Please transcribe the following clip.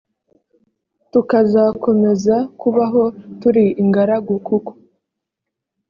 tukazakomeza kubaho turi ingaragu kuko